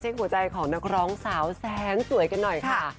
หัวใจของนักร้องสาวแสนสวยกันหน่อยค่ะ